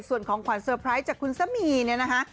ส่วนของขวัญเตอร์ไพรส์จากคุณสามีเนี่ยนะคะ